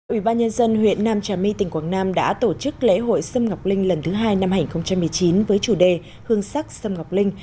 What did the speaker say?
ủy ban nhân dân huyện nam trà my tỉnh quảng nam đã tổ chức lễ hội sâm ngọc linh lần thứ hai năm hai nghìn một mươi chín với chủ đề hương sắc sâm ngọc linh